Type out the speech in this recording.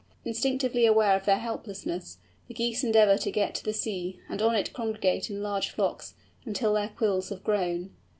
Instinctively aware of their helplessness, the Geese endeavour to get to the sea, and on it congregate in large flocks, until their quills have grown.